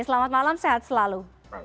selamat malam sehat selalu